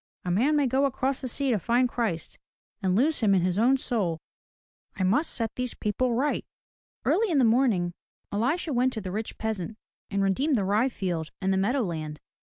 A man may go across the sea to find Christ, and lose him in his own soul. I must set these people right. '* Early in the morning Elisha went to the rich peasant and redeemed the rye field and the meadow land.